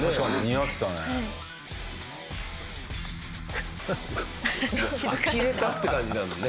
あきれたって感じなんだね。